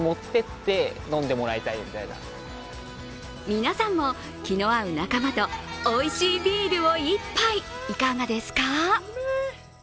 皆さんも気の合う仲間とおいしいビールを１杯いかがですか？